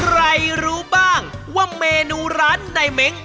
รู้บ้างว่าเมนูร้านในเม้ง